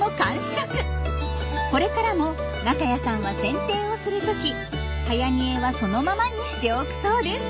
これからも中谷さんは剪定をする時はやにえはそのままにしておくそうです。